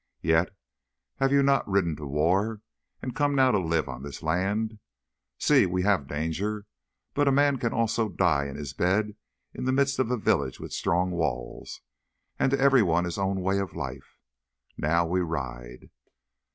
Yet have you not ridden to war, and come now to live on this land? Sí, we have danger—but a man can also die in his bed in the midst of a village with strong walls. And to everyone his own way of life. Now we ride...."